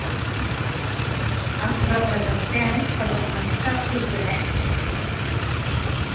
Els representem per defensar els seus drets.